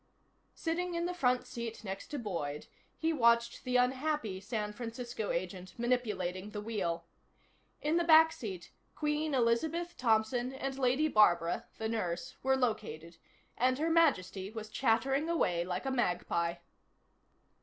Sitting in the front seat next to Boyd, he watched the unhappy San Francisco agent manipulating the wheel. In the back seat, Queen Elizabeth Thompson and Lady Barbara, the nurse, were located, and Her Majesty was chattering away like a magpie.